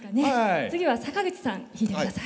次は坂口さん引いてください。